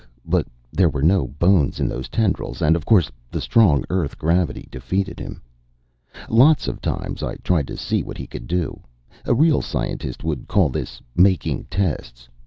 But there were no bones in those tendrils and, of course, the strong Earth gravity defeated him. Lots of times I tried to see what he could do. A real scientist would call this "making tests."